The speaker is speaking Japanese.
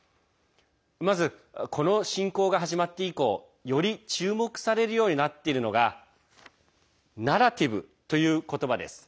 まず、この侵攻が始まって以降より注目されるようになっているのがナラティブという言葉です。